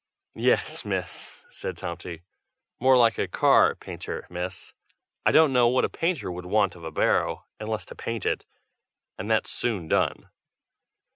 "Yes Miss!" said Tomty. "More likely a car painter, Miss. I don't know what a painter would want of a barrow, unless to paint it, and that's soon done."